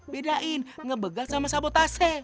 bedain ngebegal sama sabotase